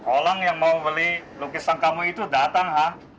orang yang mau beli lukisan kamu itu datang ha